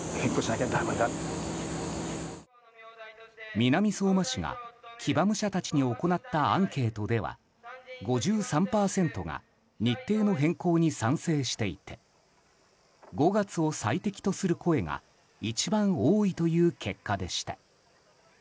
南相馬市が騎馬武者たちに行ったアンケートでは５３％が日程の変更に賛成していて５月を最適とする声が一番多いという結果でした。